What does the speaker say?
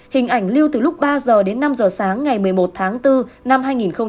hình ảnh lưu từ lúc ba h đến năm h sáng ngày một mươi một tháng bốn năm hai nghìn hai mươi